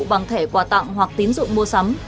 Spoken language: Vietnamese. bằng thẻ quà tặng hoặc tín dụ mua sắm